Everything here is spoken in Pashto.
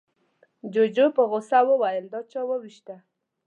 جوجو په غوسه وويل، دا چا ووېشته؟